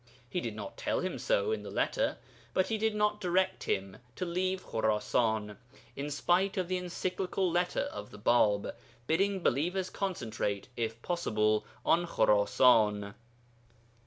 He did not tell him so in the letter, but he did direct him to leave Khurasan, in spite of the encyclical letter of the Bāb, bidding believers concentrate, if possible, on Khurasan.